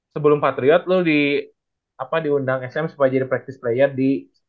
sebelum patriot lo diundang sm supaya jadi practice player di